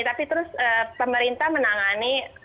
tapi terus pemerintah menangani